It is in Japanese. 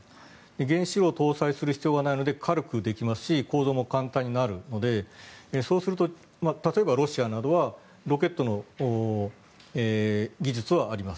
原子炉を搭載する必要がないので軽くできますし構造も簡単になるのでそうすると例えばロシアなどはロケットの技術はあります。